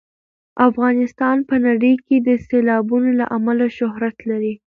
افغانستان په نړۍ کې د سیلابونو له امله شهرت لري.